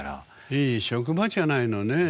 いい職場じゃないのねえ。